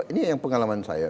ini yang pengalaman saya